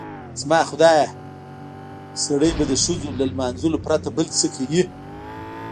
زما خدایه سړی به د ښځو له لمانځلو پرته بل څه کوي؟